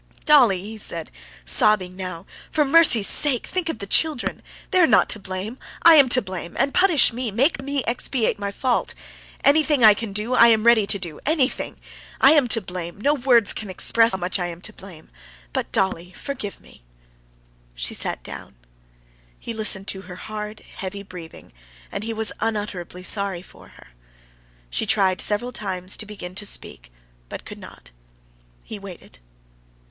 "Dolly!" he said, sobbing now; "for mercy's sake, think of the children; they are not to blame! I am to blame, and punish me, make me expiate my fault. Anything I can do, I am ready to do anything! I am to blame, no words can express how much I am to blame! But, Dolly, forgive me!" She sat down. He listened to her hard, heavy breathing, and he was unutterably sorry for her. She tried several times to begin to speak, but could not. He waited.